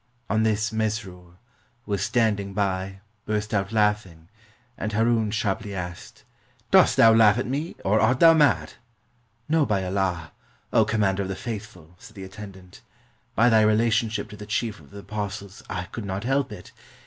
On this, Mesrur, who was standing by, burst out laughing, and Haroun sharply asked, "Dost thou laugh at me, or art thou mad?" "No, by Allah! 0 Commander of the Faithful! " said the attendant; "by thy relationship to the Chief of the Apostles, I could not help it.